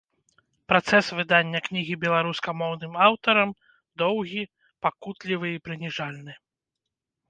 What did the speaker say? Працэс выдання кнігі беларускамоўным аўтарам доўгі, пакутлівы і прыніжальны.